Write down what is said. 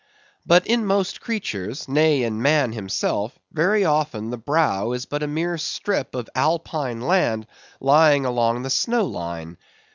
But in most creatures, nay in man himself, very often the brow is but a mere strip of alpine land lying along the snow line.